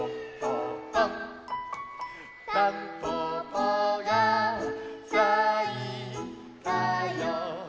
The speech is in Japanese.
「たんぽぽがさいたよ」